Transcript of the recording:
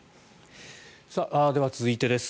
では続いてです。